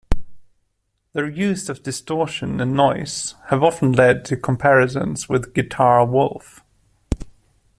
Their use of distortion and noise have often led to comparisons to Guitar Wolf.